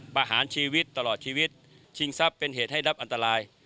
ประหารชีวิตตลอดชีวิตชิงทรัพย์เป็นเหตุให้รับอันตราย